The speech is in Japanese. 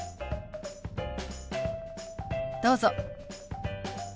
どうぞ。